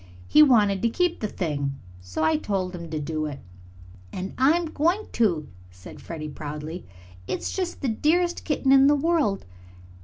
"He wanted to keep the thing, so I told him to do it." "And I'm going to," said Freddie proudly. "It's just the dearest kitten in the world."